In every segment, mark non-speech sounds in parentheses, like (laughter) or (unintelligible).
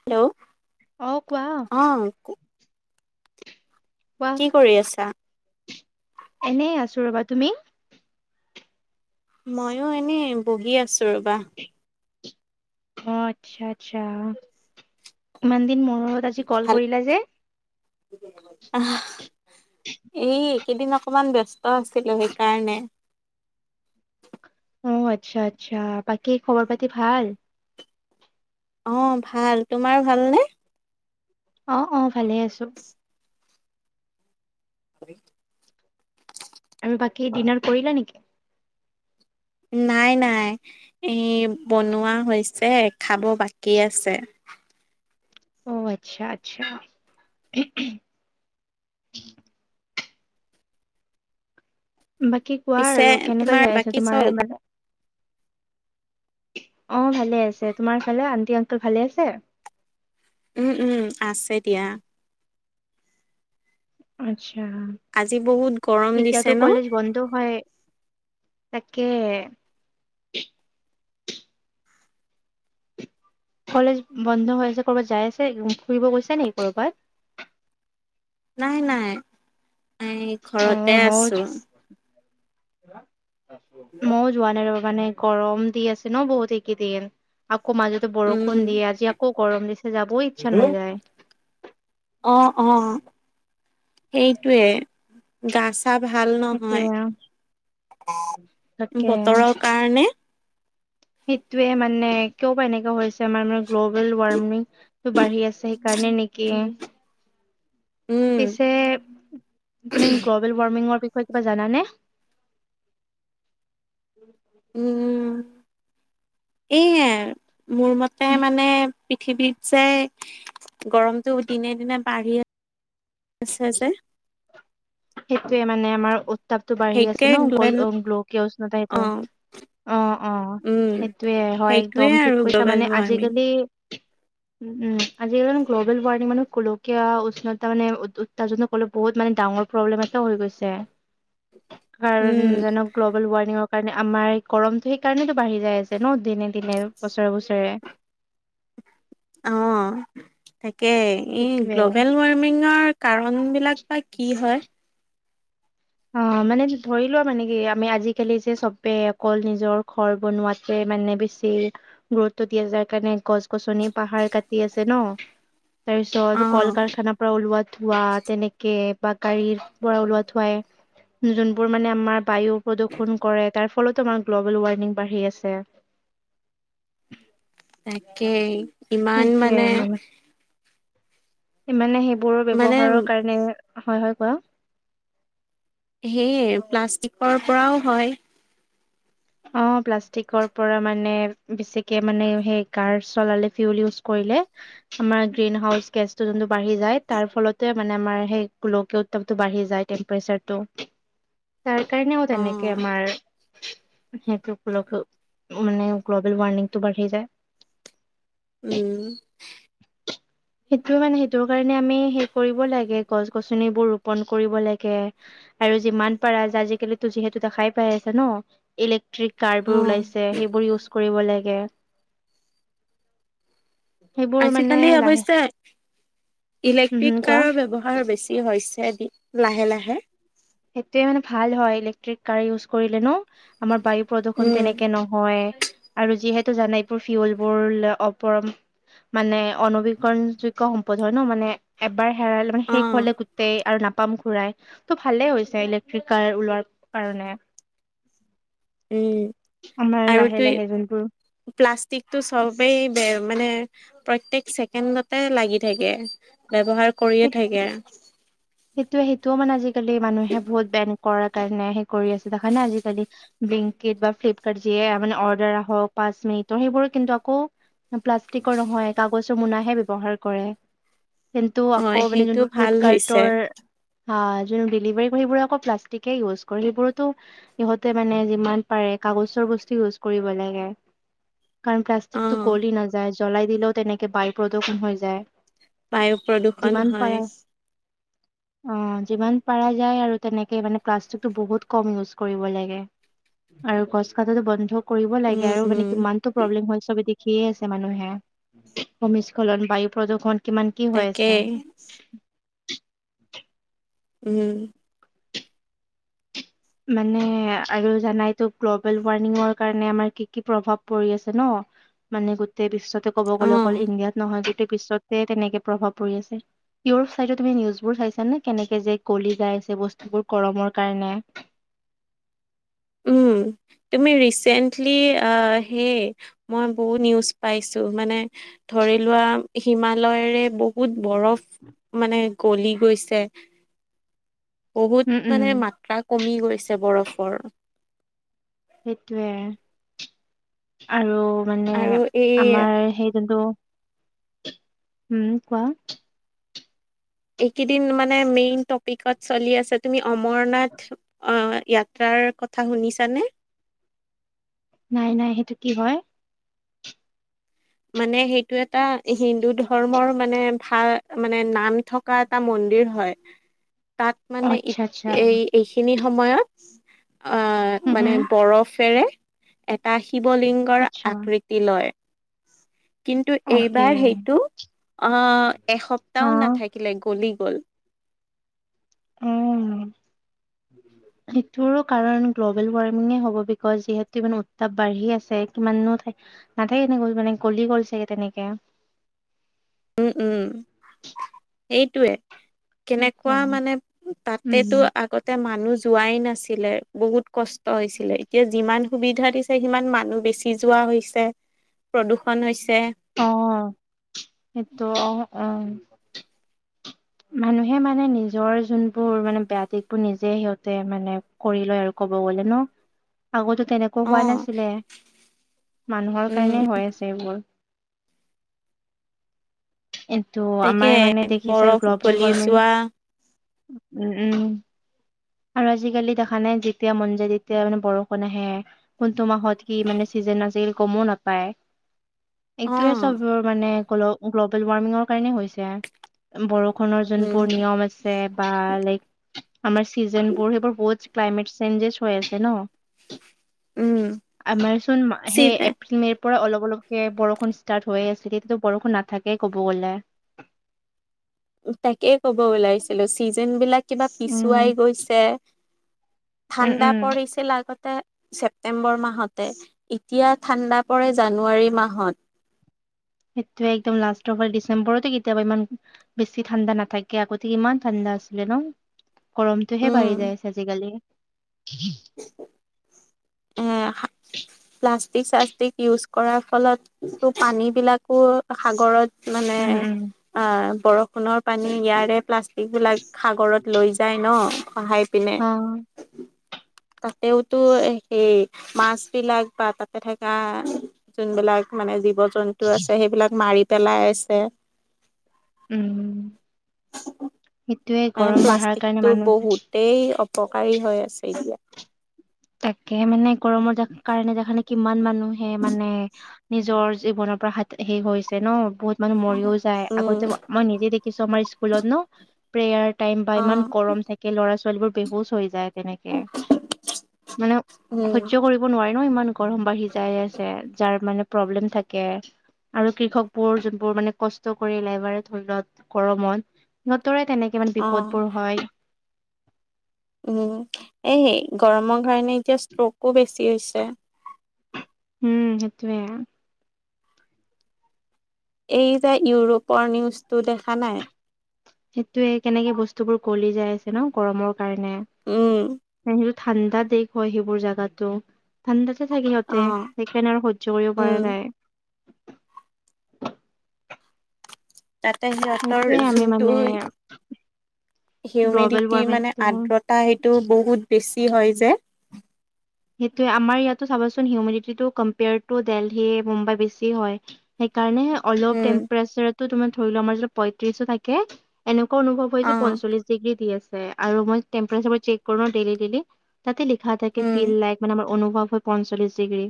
Hello অ কোৱা। অ। কোৱা কি কৰি আছা? এনেই আছোঁ ৰবা। তুমি? ময়ো এনে বহি আছোঁ ৰ'বা। অ আচ্ছা আচ্ছা ইমান দিন মূৰত আজি কল ভাল কৰিলা যে? আহ এই। এইকেইদিন অকণমান ব্যস্ত আছিলোঁ সেই কাৰণে। অ আচ্ছা আচ্ছা। বাকী খবৰ পাতি ভাল? অঁ ভাল। তোমাৰ ভালনে? অ অ ভালে আছোঁ। (inaudible) (inaudible) আৰু বাকী ডিনাৰ কৰিলা নেকি? নাই নাই এ বনোৱা হৈছে খাব বাকী আছে। অ আচ্ছা আচ্ছা। (unintelligible) বাকী কোৱা পিছে আৰু কেনেকৈ তোমাৰ যাই আছে বাকী তোমাৰ চব মানে অ ভালে আছে। তোমাৰ ফালে আন্টি আংকল ভালে আছে? উম উম আছে দিয়া। আচ্ছা আজি বহুত গৰম দিছে এতিয়াতো ন কলেজ বন্ধ হয়। তাকে। কলেজ বন্ধ হৈ আছে কৰ'বাত যাই আছে ফুৰিব গৈছে নেকি কৰ'বাত? নাই নাই এই ঘৰতে আছোঁ। মোয়ো জোৱানাই ৰবা মানে গৰম দি আছে ন বহুত এই কেইদিন আকৌ মাজ বৰষুণ উম দিয়ে আজি আকৌ গৰম দিছে যাবই ইচ্ছা নাযায়। অ অ সেইটোৱে গাছ চা ভাল সেইটোৱে নহয় তাকে। বতৰৰ কাৰণে সেইটোৱে মানে কিয় বা এনেকুৱা হৈছে আমাৰ মানে গ্ল'বেল ৱাৰ্মিং টো বাঢ়ি আছে সেইকাৰণে নেকি। উম, পিছে তুমি গ্ল'বেল ৱাৰ্মিঙৰ বিষয়ে কিবা জানানে? উম এই মোৰ মতে মানে পৃথিৱীত যে গৰমতটো দিনে দিনে বাঢ়ি। আছে যে। সেইটোৱে মানে আমাৰ উত্তাপ টো বাঢ়ি আছে সেইটোৱে ন কল গ্ল'বেল গ্লকীয় উষ্ণতা সেইটো। অ, অ অ উম। সেইটোৱে হয় সেইটোৱে একদম ঠিক আৰু কৈছা গ্ল'বেল মানে ৱাৰ্মিং আজিকালি। উম আজিকালি মানে গ্ল'বেল ৱাৰ্মিং মানে গোলকীয়া উষ্ণতা মানে (unintelligible) ক'লে বহুত মানে ডাঙৰ। প্ৰব্লেম এটাও হৈ গৈছে কাৰণ উম, জানক। গ্ল'বেল ৱাৰ্মিঙৰ কাৰণে আমাৰ এই গৰমটো সেইকাৰণেতো বাঢ়ি যাই আছে ন দিনে দিনে বছৰে বছৰে। অ তাকে এই সেইটোয়ে গ্ল'বেল ৱাৰ্মিঙৰ। কাৰণ বিলাক বা কি হয়। অ মানে ধৰি লোৱা আৰু মানে কি আমি আজিকালি যে চবে অকল নিজৰ ঘৰ বনোৱাত। পে মানে বেছি। গুৰুত্ব দিয়ে যাৰ কাৰণে গছ গছনি পাহাৰ কাটি আছে ন। তাৰ অ, পিছত কল কাৰখানাৰ পৰা ওলোৱা ধোঁৱা তেনেকে বা গাড়ীৰ পৰা ওলোৱা ধোঁৱাই। যোনবোৰ মানে আমাৰ বায়ু প্ৰদূৰণ কৰে তাৰ ফলতো আমাৰ গ্ল'বেল ৱাৰ্মিং বাঢ়ি আছে। তাকেই ইমান মানে। ইমানে সেইবোৰ মানে ব্যৱহাৰৰ কাৰণে হয়, হয় কোৱা। হেইয়ে প্লাষ্টিকৰ পৰাও হয়। অ' প্লাষ্টিকৰ পৰা মানে বেছিকে মানে সেই কাৰ চলালে, ফিউল ইউজ কৰিলে। আমাৰ গ্ৰীণ হাউচ গেছটো যোনটো বাঢ়ি যায়, তাৰ ফলত মানে আমাৰ সেই গোলকীয় উত্তাপতটো বাঢ়ি যায়। টেম্পেৰচাৰটো। (unintelligible) তাৰ কাৰণেও অ, তেনেকে আমাৰ। সেইটোল গ্ল মানে গ্ল'বেল ৱাৰ্মিংটো বাঢ়ি যায়। উম। উম। (unintelligible) সেইটো মানে সেইটো কাৰণে আমি সেই কৰিব লাগে, গছ গছনিবোৰ ৰোপণ কৰিব লাগে। আৰু যিমান পাৰা যে আজিকালি যিহেতু দেখাই পাই আছা ন ইলেক্ট্ৰিক কাৰ অ, বোৰ ওলাইছে সেইবোৰ ইউজ কৰিব লাগে। সেইবোৰ মানে আজিকালি লাহে অৱশ্যে উম ইলেক্ট্ৰিক হম কোৱা কাৰৰ ব্যৱহাৰ বেছ। চি হৈছে দি লাহে লাহে। সেইটোৱে মানে ভাল হয় ইলেক্ট্ৰিক কাৰ ইউজ কৰিলে ন আমাৰ বায়ু প্ৰদূষণ উম। তেনেকে ন। হয় আৰু যিহেতু জানাই এইবোৰ ফিউলবোৰ ল অপৰম। মানে অনবীকৰণযোগ্য সম্পদ হয় ন মানে। এবাৰ হেৰাইলে মানে শেষ অ' হলে গোটেই আৰু নাপাম ঘূৰাই ত'। ভালে হৈছে ইলেক্ট্ৰিক কাৰ ওলোৱাৰ কাৰণে। উম। আমাৰ আৰু তু লাহে, লাহে যোনবোৰ। প্লাষ্টিকটো সবেই বে মানে। প্ৰত্যেক ছেকেণ্ডতে লাগি থাকে ব্যৱহাৰ কৰিয়ে সেই- থাকে। সেইটোৱে সেইটোও মানে আজিকালি মানুহে ভোট বেংক কাৰণেহে কৰি আছে দেখ নে আজিকালি। ব্লিংকিট বা ফ্লিপকাৰ্ট যিয়ে মানে অৰ্ডাৰ আহক (inaudible) সেইবোৰো কিন্তু আকৌ। প্লাষ্টিকৰ নহয় কাগজৰ মোনাহে ব্যৱহাৰ কৰে। কিন্তু অ' আকৌ মানে সেইটো যোনবোৰ ভাল ফ্লিপকাৰ্ট। হৈছে। আ, যোনবোৰ ডেলিভাৰীবোৰ সেইবোৰে আকৌ প্লাষ্টিকে ইউজ কৰে সেইবোৰতো। সিহঁতে মানে যিমান পাৰে কাগজৰ বস্তু ইউজ কৰিব লাগে। কাৰণ প্লাষ্টিকটো অ' গলি নাযায়, জ্বলাই দিলেও তেনেকে বায়ু প্ৰদূষণ হৈ যায়। বায়ু প্ৰদূষণ যিমান পাৰা হয়। অ' যিমান পাৰা যায় আৰু তেনেকে মানে প্লাষ্টিকটো বহুত কম ইউজ কৰিব লাগে। আৰু গছ কাটাতো বন্ধ কৰিব লাগে উম আৰু মানে উম কিমান তো প্ৰব্লেম হয় চবে দেখিয়ে আছে মানুহে ভূমিস্খলন, বায়ু প্ৰদূষণ, কিমান কি হৈ আছে। তাকেই উম। মানে আৰু জানাইতো গ্ল'বেল ৱাৰ্মিঙৰ কাৰণে আমাৰ কি কি প্ৰভাৱ পৰি আছে ন। মানে গোটেই বিশ্বতে ক'ব গ'লে অ'। অকল ইণ্ডিয়াত নহয়, গোটেই বিশ্বতে তেনেকে প্ৰভাৱ পৰি আছে। ইউৰোপ চাইডত তুমি নিউজবোৰ চাইছা নে কেনেকে যে গলি যাই আছে বস্তুবোৰ গৰমৰ কাৰণে। উম তুমি ৰিচেন্টলি আ সেই মই বহুত নিউজ পাইছোঁ, মানে ধৰি লোৱা হিমালয়ৰে ব হুত বৰফ মানে গলি গৈছে। বহুত উম উম মানে মাত্ৰা কমি গৈছে বৰফৰ। সেইটোৱে আৰু মানে আৰু এই আমাৰ সেই যোনটো, উম কোৱা? এইকেইদিন মানে মেইন টপিকত চলি আছে, তুমি অমৰনাথ অ য়াত্ৰাৰ কথা শুনিছানে? নাই নাই সেইটো কি হয়? মানে সেইটো এটা হিন্দু ধৰ্মৰ মানে ভাল মানে নাম থকা এটা মন্দিৰ হয়। তাত অ মানে ই আচ্ছা আচ্ছা এই এইখিনি সময়ত আহ হুম মানে হুম বৰফেৰে এটা শিৱলিংগৰ আচ্ছা আকৃ তি লয়। কিন্তু অকে এইবাৰ সেইটো আহ অ এসপ্তাহও নাথাকিলে গলি গল। উম (inaudible) সেইটোৰো কাৰণ গ্ল'বেল ৱাৰ্মিঙ হ'ব বিকজ যিহেতু ইমান উত্তাপ বাঢ়ি আছে কিমানো ঠা নাথাকেনে এনেকে গল মানে গলি গল চাগে তেনেকে। উম উম সেইটোৱে। সেইটোৱে কেনেকুৱা মানে তাপেতো উম আগত তে মানুহ যোৱাই নাছিলে বহুত কষ্ট হৈছিলে এতিয়া যিমান সুবিধা দি ছে সিমান মানুহ বেচি যোৱা হৈছে, প্ৰদূষণ হৈছে। অ সেইটো অ অহ। মানুহে মানে নিজৰ যোনবোৰ মানে বেয়া দিশবোৰ নিজে সিহঁতে মানে কৰি লয় আৰু ক'ব গ'লে ন আগতো কেনে অ কবা নাছিলে, মানুহৰ উম কাৰণে হৈ আছে এইবোৰ। এইটো তাকে আমাৰ মানে দেখিছে বৰফ গ্ল'বেল গলি ৱাৰ্মিং যোৱা উ উম। আৰু আজিকালি দেখা নাই যেতিয়া মন যায় তেতিয়া মানে বৰষুণ আহে। কোনটো মাহত কি মানে চিজন আছিল গমো নাপায়। (inaudible) এইটোৱে চবৰ মানে গলোঁ গ্ল'বেল ৱাৰ্মিঙৰ কাৰণে হৈছে। বৰষুণৰ উম যোনবোৰ নিয়ম আ ছে বা লাইক আমাৰ চিজন বোৰ সেইবোৰ বহুত ক্লাইমেট চেঞ্জেছ হৈ আছে ন। (inaudible) আমাৰ চোন সেই চি এপ্ৰিল মেপ পৰা অলপ অলপকে বৰষুণ ষ্টাৰ্ট হৈ আছিল তেতিয়াতো বৰষুণ নাথাকে ক'ব গ'লে। তাকেই ক'ব ওলাইছিলো ছিজন বিলাক কিবা উম পিছুৱাই গৈছে। উম ঠাণ্ডা উম পৰিছিল আগতে। ছেপটেম্বৰ মাহতে এতিয়া ঠাণ্ডা পৰে জানুৱাৰী মাহত। সেইটয়ে একদম লাষ্ট অফাৰ ডিচেম্বৰৰত কেতিয়াবা ইমান। বেছি ঠাণ্ডা নাথাকে আগতে ইমান ঠাণ্ডা আছিলে ন। গৰমটোহে উম বাঢ়ি যায়ছে আজিকালি। অ হাঁ। প্লাষ্টিক চাষ্টিক ইউজ কৰাৰ ফলতো পানীবিলাকো সাগৰত। মানে উম উম অ বৰষুণৰ পানী ইয়াৰে প্লাষ্টিক বিলাক। সাগৰত লৈ যায় ন খহাই পিনে। অ। তাতেওতো এ। এই মাছবিলাক বা তাতে থকা যোনবিলাক মানে জীব। জন্তু আছে সেইবিলাক মাৰি পেলাই আছে। উম সেইটোৱে গৰম বাঢ়াৰ কাৰণে মানুহ। তেই অপকাৰী হৈ আছে এতিয়া। তাকে মানে গৰমৰ কাৰণে দেখানে কিমান মানুহে মানে। নিজৰ জীৱনৰ পৰা হা হেষ হৈছে ন বহুত মানুহ মৰিও যায় উম, আগতে মই নিজে দে। কিছু আমাৰ স্কুলত ন। প্ৰেয়াৰ টাইম বা ইমান অ', গৰম থাকে ল'ৰা ছোৱালীবোৰ বেহুচ হৈ যায় তেনেকে। মানে উম, সজ্য কৰি। ব নোৱাৰি ন ইমান গৰম বাঢ়ি যাই আছে যাৰ মানে প্ৰব্লেম থাকে। আৰু কৃষক বোৰ যোনবোৰ মানে কষ্ট কৰিলাই বাৰে ধৰি লত গৰমত। সিহঁতৰে‌ মানে তেনেকে মানে বিপদ অ', বোৰ হয়। উম এইেই গৰমৰ কাৰণে এতিয়া ষ্ট্ৰকো বেছি হৈছে। উম সেটোৱে। এই যে ইউৰোপৰ নিউজটো দেখা নাই। সেইটোয়ে কেনেকে বস্তু বোৰ কলি যাই আছে ন গৰমৰ কাৰণে। উম। সেইটো ঠাণ্ডা দেশ হয় সেইবোৰ জাগাতো ঠাণ্ডাতে থাকে সিহঁতে অ', কেনে আৰু সহ্য কৰিব উম। পৰা নাই। তাতে সিহঁতৰ সেইটোয়ে আমি যোনটো মানে গ্ল'বেল হিউমিডিটি মানে ৱাৰ্মিংটো আদ্ৰ টা হেইটো বহুত বেছি হয় যে। সেইটোৱে আমাৰ ইয়াতো চাবাচোন হিউমিডিটি টো কম্পেয়াৰ টু দেলহি মুম্বাই বেছি হয়। সেইকাৰণেহে অলপ উম, টেম্পাৰেচাৰটো তোমাৰ ধৰিলোৱা আমাৰ য পঁয়ত্ৰিশো থাকে। এনেকুৱা অনুভৱ হৈছে অ', পঞ্চল্লিশ। ডিগ্ৰী দি আছে আৰু মই তেম্প্ৰেচাবোৰ চেক কৰোঁ ডেলি ডেলি তাতে লিখা। থাকে উম, ফিল লাইক মানে আমাৰ অনুভৱ হয় পঞ্চল্লিশ ডিগ্ৰী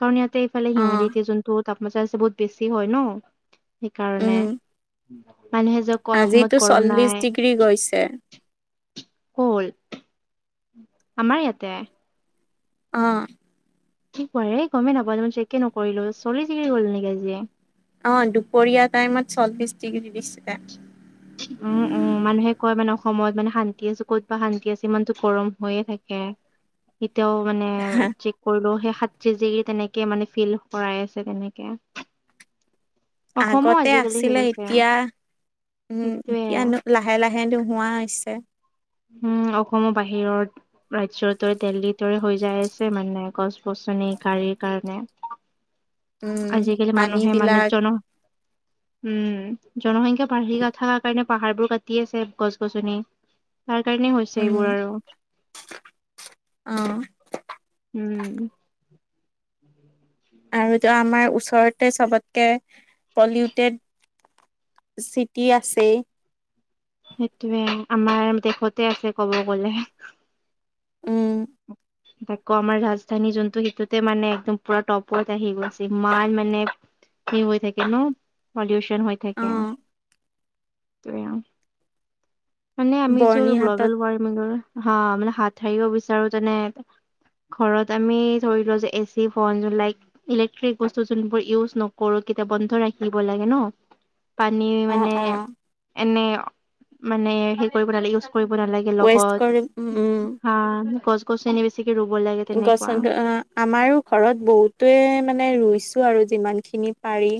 কাৰণ ইয়াতে এইফালে অ', হিমালতি যোনটো। তাপমাত্ৰাছে বহুত বেছি হয় ন সেইকাৰণে উম। মানুহে য। আজিতো চল্লিশ ডিগ্ৰী গৈছে। ক'ল। আমাৰ ইয়াতে। অঁ। কি কোৱা এই গমেই নাপাে মই চেকে নকৰিলো চলি চিকি গ'ল নেকি আজি। অ দুপৰীয়া টাইমত চল্লিশ ডিগ্ৰী দিছিলে উম উম। মানুহে কয় মানে অসমত মানে শান্তি আছে ক'ত বা শান্তি আছে ইমানটো গৰম হৈয়ে থাকে। এতিয়াও মানে চেক - কৰিলো সেই সাত্ৰিশ ডিগ্ৰী তেনেকে মানে ফিল কৰাই আছে তেনেকে। অসমো আগতে আজিকালি হেৰি আছিলে গৈছে এতিয়া উম সেইটোয়ে এতিয়া নো - লাহে লাহে নোহোৱা হৈছে। উম অসমৰ বাহিৰত - ৰাজ্য দৰে দেল্লী দৰে হৈ যাই আছে মানে গছ গছনি গাড়ীৰ কাৰণে উম আজিকালি পানী মানুহে মানে বিলাক - জন উম জনসংখ্যা বাঢ়ি নাথাকা কাৰণে পাহাৰবোৰ কাটি আছে গছ গছনি - তাৰ কাৰণে হৈছে উম এইবোৰ আৰু, অ উম। আৰুটো আমাৰ ওচৰতে চবতকে পলিউটেড - চিটি আছেই। সেইটোৱে আমাৰ দেশতে আছে কব গলে। উম আকৌ আমাৰ ৰাজধানী যোনটো সেইটোতে মানে একদম পুৰা টপত আহি গৈছে ইমান মানে- ফ্ৰী হৈ থাকে ন পলিউশ্যন হৈ অ থাকে, সেইটো আও মানে আমি যল বৰ্ণিহাটত গ্ল'বেল ৱাৰ্মিঙৰ হা মানে হাত সাৰিব বিচাৰো যেনে ঘৰত আমি ধৰি লোৱা যে এচি ফন যোন লাইক- ইলেক্ট্ৰিক বস্তু যোনবোৰ ইউজ নকৰো কেতিয়া বন্ধ ৰাখিব লাগে ন। পানী অ মানে অ এনে মানে হে কৰিব নালাগে ইউজ - কৰিব নালাগে ৱেষ্ট লগত কৰি উম হা গছ গছনি বেছিকে ৰুব লাগে গছ তেনেকুৱা। আমাৰো ঘৰত বহুটোৱে মানে ৰুইছোঁ আৰু যিমানখিনি পাৰি।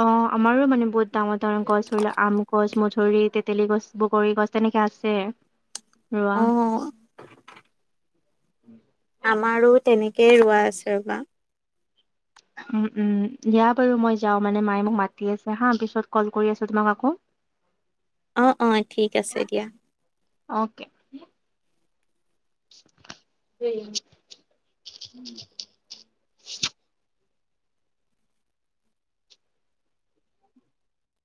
অ আমাৰো মানে বহুত ডাঙৰ ডাঙৰ গছ ৰুলে আম গছ, মধুৰি, তেতেলী গছ, বগৰী গছ তেনেকে আছে। (unintelligible) ৰুৱা। অ আমাৰো তেনেকেই ৰুৱা আছে ৰবা। উম উম দিয়া বাৰু মই যাওঁ মানে মায়ে মোক মাতি আছে হা, পিছত কল কৰি আছো তোমাক আকৌ। অ অ ঠিক আছে দিয়া। অকে। (unintelligible)